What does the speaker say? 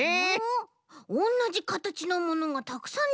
おんなじかたちのものがたくさんでてきたけど。